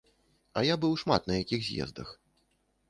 А я быў шмат на якіх з'ездах.